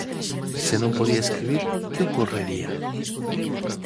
Se non podía escribir, ¿que ocorrería?